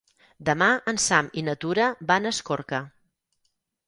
Demà en Sam i na Tura van a Escorca.